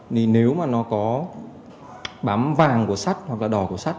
nếu mà nó có bám vàng của sắt hoặc là đỏ của sắt